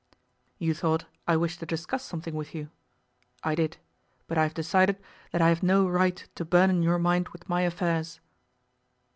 'You thought I wished to discuss something with you. I did; but I have decided that I have no right to burden your mind with my affairs.